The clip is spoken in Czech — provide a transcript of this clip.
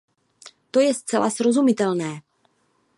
To je zcela srozumitelné.